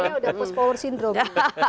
kalau kita sudah post power syndrome